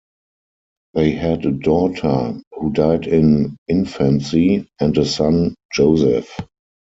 They had a daughter, who died in infancy, and a son, Joseph.